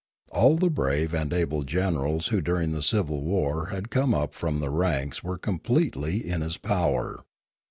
All the brave and able generals who during the civil war had come up from the ranks were completely in his power.